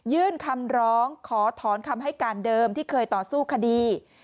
ยื่นคำร้องขอถอนคำให้การเดิมที่เคยต่อสู้คดี